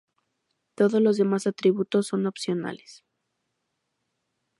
Todos los demás atributos son opcionales.